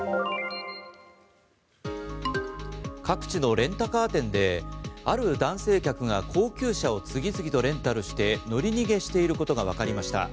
各地のレンタカー店である男性客が高級車を次々とレンタルして乗り逃げしていることがわかりました。